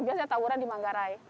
biasanya taburan di manggarai